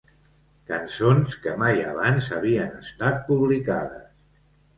Cançons que mai abans havien estat publicades.